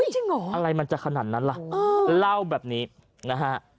จริงเหรออะไรมันจะขนาดนั้นล่ะเล่าแบบนี้นะฮะ